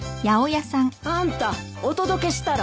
あんたお届けしたら？